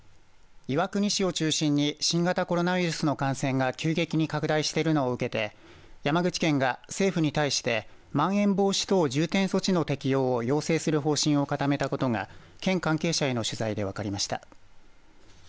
岩国市を中心に新型コロナウイルスの感染が急激に拡大しているのを受けて山口県が政府に対してまん延防止等重点措置の適用を要請する方針を固めたことが県関係者への取材で分かりました。